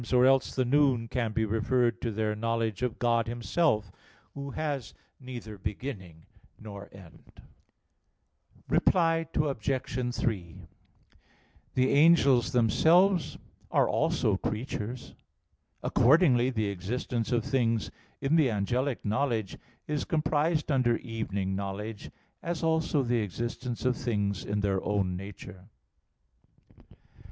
Or else the noon can be referred to their knowledge of God Himself, Who has neither beginning nor end. Reply Obj. 3: The angels themselves are also creatures. Accordingly the existence of things in the angelic knowledge is comprised under evening knowledge, as also the existence of things in their own nature.